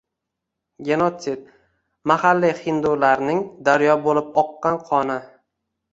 genotsid — mahalliy hindularning daryo bo‘lib oqqan qoni